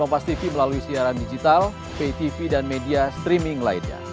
kompas tv melalui siaran digital pay tv dan media streaming lainnya